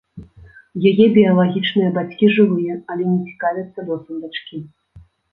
Яе біялагічныя бацькі жывыя, але не цікавяцца лёсам дачкі.